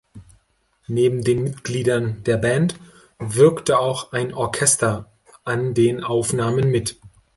Neben den Mitgliedern der Band wirkte auch ein Orchester an den Aufnahmen mit.